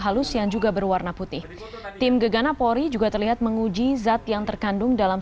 halus yang juga berwarna putih tim gegana pori juga terlihat menguji zat yang terkandung dalam